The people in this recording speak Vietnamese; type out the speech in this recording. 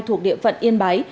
thuộc địa phận yên bái